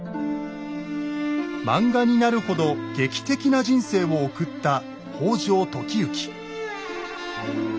漫画になるほど劇的な人生を送った北条時行。